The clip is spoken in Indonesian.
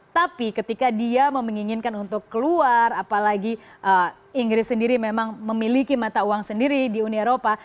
tapi ketika dia meminginkan untuk keluar apalagi inggris sendiri memang memiliki mata uang sendiri di uni eropa